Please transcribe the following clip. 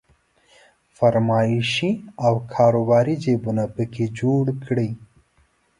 فرمایشي او کاروباري جيبونه په کې جوړ کړي.